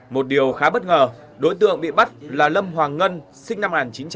một điều khá bất ngờ đối tượng bị bắt là lâm hoàng ngân sinh năm một nghìn chín trăm tám mươi